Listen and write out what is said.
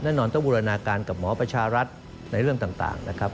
แน่นอนต้องบูรณาการกับหมอประชารัฐในเรื่องต่างนะครับ